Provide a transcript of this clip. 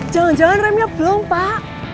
premnya belum pak